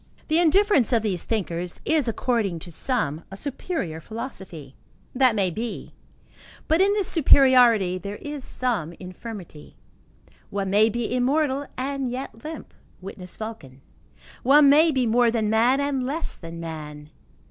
The indifference of these thinkers, is, according to some, a superior philosophy. That may be; but in this superiority there is some infirmity. One may be immortal and yet limp: witness Vulcan. One may be more than man and less than man.